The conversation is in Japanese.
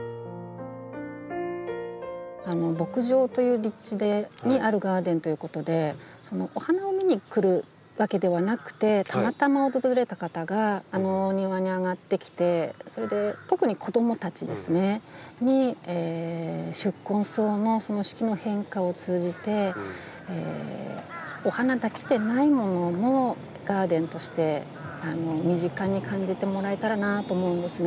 牧場という立地にあるガーデンということでお花を見に来るわけではなくてたまたま訪れた方があのお庭に上がってきてそれで特に子どもたちに宿根草の四季の変化を通じてお花だけでないものもガーデンとして身近に感じてもらえたらなと思うんですね。